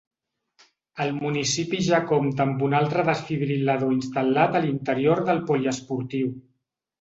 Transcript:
El municipi ja compta amb un altre desfibril·lador instal·lat a l’interior del poliesportiu.